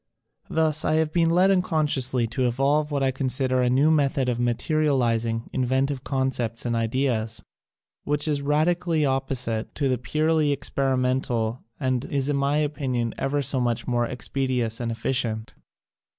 Thus I have been led un consciously to evolve what I consider a new method of materializing inventive concepts and ideas, which is radically opposite to the purely experimental and is in my opinion ever so much more expeditious and efficient.